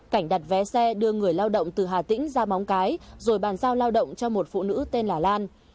cảnh đặt vé xe đưa người lao động từ hà tĩnh ra móng cái rồi bàn giao lao động cho một phụ nữ tên là lan